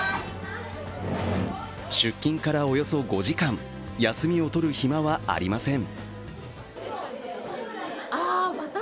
出勤からおよそ５時間、休みを取る暇はありません。